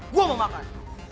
gua mau makan